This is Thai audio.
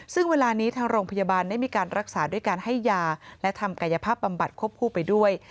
ซึ่งเวลานี้ทางโรงพยาบาลได้มีการรักษาด้วยการให้ยาและทำกายภาพบำบัดควบคู่ไปด้วย